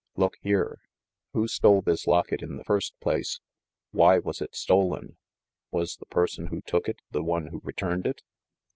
"Look here! Who stole this locket in the first place? Why was it stolen ? Was the person who took it the one who returned it